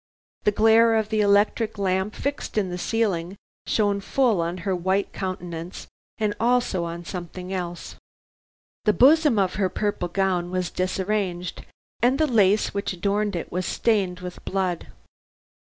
The glare of the electric lamp fixed in the ceiling, shone full on her white countenance, and also on something else. The bosom of her purple gown was disarranged, and the lace which adorned it was stained with blood.